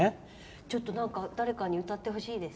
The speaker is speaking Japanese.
ちょっと、誰かに歌ってほしいです。